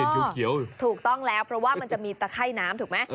ส่องแล้วเจออะไรคะ